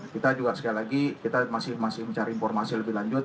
kita juga sekali lagi kita masih mencari informasi lebih lanjut